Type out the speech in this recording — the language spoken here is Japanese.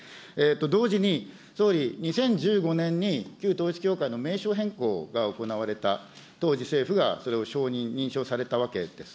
同時に、総理、２０１５年に旧統一教会の名称変更が行われた、当時政府がそれを承認、認証されたわけです。